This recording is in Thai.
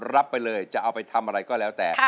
รับไปเลยจะเอาไปทำอะไรก็แล้วแต่